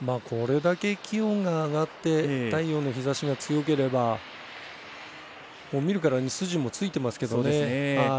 これだけ気温が上がって太陽の日ざしが強ければ見るからに筋もついていますけれどもね。